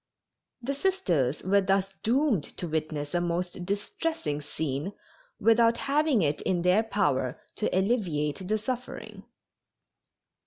The Sisters were thus doomed to witness a most distressing scene without having it in their power to alleviate the suffering.